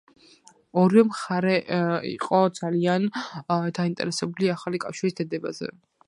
ორივე მხარე იყო ძალიან დაინტერესებული ახალი კავშირის დადებაზე.